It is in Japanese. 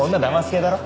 系だろ？